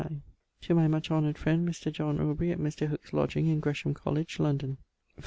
To my much honoured frend Mr. John Aubrey, at Mr. Hooke's lodging in Gresham College, London. v.